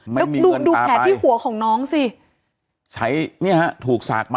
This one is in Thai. ไม่มีเงินตาไปดูแผลที่หัวของน้องสิใช้เนี้ยฮะถูกสากมา